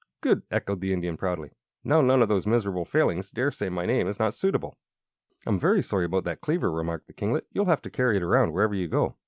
"Good!" echoed the Indian, proudly. "Now none of those miserable Failings dare say my name is not suitable!" "I'm very sorry about that cleaver," remarked the kinglet. "You'll have to carry it around wherever you go."